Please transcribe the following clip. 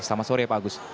selamat sore ya pak agus